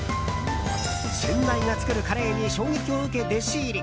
先代が作るカレーに衝撃を受け弟子入り。